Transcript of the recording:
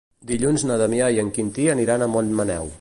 Dilluns na Damià i en Quintí aniran a Montmaneu.